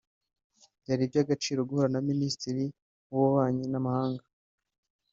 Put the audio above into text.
Byari iby’agaciro guhura na Minisitiri w’Ububanyi n’Amahanga